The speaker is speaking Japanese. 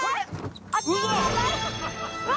うわ！